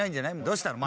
どうしたの？